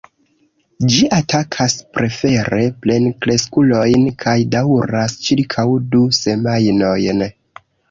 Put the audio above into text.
Ĝi atakas prefere plenkreskulojn kaj daŭras ĉirkaŭ du semajnojn.